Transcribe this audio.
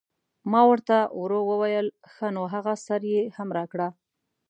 ما ور ته ورو وویل: ښه نو هغه سر یې هم راکړه.